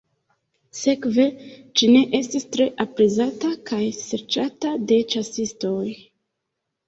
Sekve ĝi ne estis tre aprezata kaj serĉata de ĉasistoj.